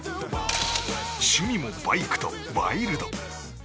趣味もバイクとワイルド。